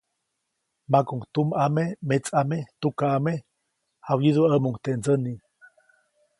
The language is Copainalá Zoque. Makuʼuŋ tumʼame, metsʼame, tukaʼame, jawyiduʼämuŋ teʼ ndsäni.